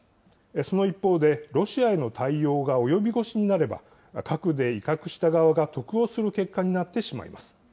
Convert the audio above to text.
その一方で、ロシアへの対応が及び腰になれば、核で威嚇した側が得をする結果になってしまいます。